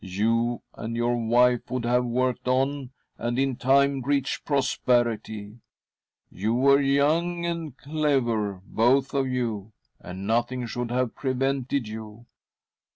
You and your wife would have worked on, and in time reached prosperity. You were young and clever, both of you, and nothing should have prevented you.